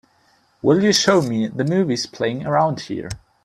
Will you show me the movies playing around here?